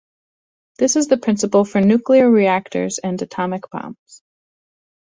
This is the principle for nuclear reactors and atomic bombs.